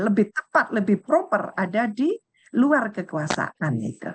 lebih tepat lebih proper ada di luar kekuasaan